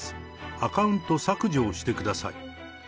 アカウント削除をしてください。